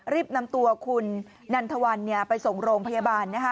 รีบนำตัวคุณนันทวันไปส่งโรงพยาบาลนะคะ